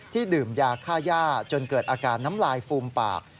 ดื่มยาค่าย่าจนเกิดอาการน้ำลายฟูมปาก